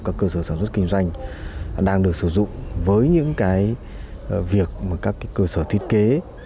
các cơ sở sản xuất kinh doanh đang được sử dụng với những việc các cơ sở thiết kế